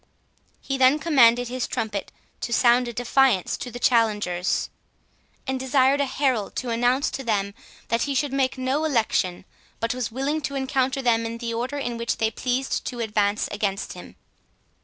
He then commanded his trumpet to sound a defiance to the challengers, and desired a herald to announce to them, that he should make no election, but was willing to encounter them in the order in which they pleased to advance against him.